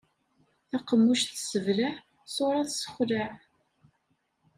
Taqemmuct tesseblaɛ, ṣṣuṛa tessexlaɛ.